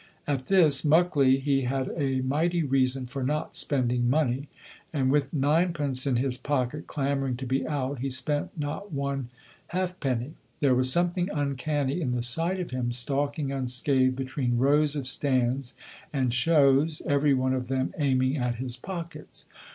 At this Muckley he had a mighty reason for not spending money, and with ninepence in his pocket clamoring to be out he spent not one halfpenny. There was something uncanny in the sight of him stalking unscathed between rows of stands and shows, everyone of them aiming at his pockets.